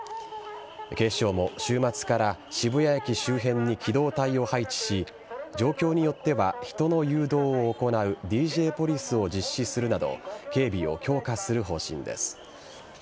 警視庁も週末から渋谷駅周辺に機動隊を配置し状況によっては人の誘導を行うＤＪポリスを実施するなど警備を強化する方針です。